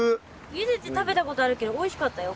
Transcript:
ゆでて食べたことあるけどおいしかったよ。